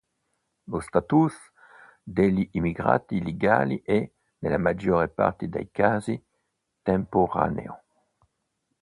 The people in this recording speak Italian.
Lo "status" degli immigrati illegali è, nella maggior parte dei casi, temporaneo.